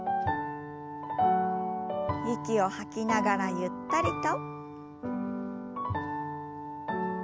息を吐きながらゆったりと。